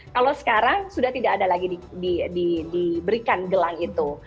kalau sekarang sudah tidak ada lagi diberikan gelang itu